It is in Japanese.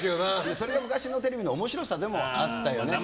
それが昔のテレビの面白さでもあったよね。